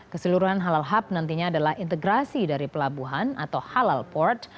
keseluruhan halal hub nantinya adalah integrasi dari pelabuhan atau halal port